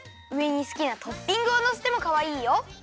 うえにすきなトッピングをのせてもかわいいよ。